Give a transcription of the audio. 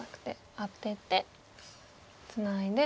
アテてツナいで。